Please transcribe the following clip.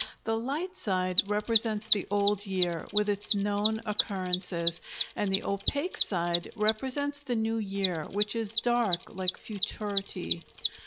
The light side represents the old year, with its known occurrences, and the opaque side represents the new year, which is dark like futurity.